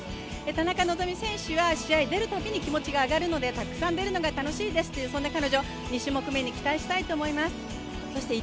田中希実選手は試合出るたびに気持ちが上がるのでたくさん出るのが楽しいですっていう、そんな彼女２種目めに期待したいと思います。